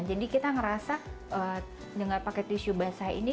jadi kita ngerasa dengan pakai tisu basah ini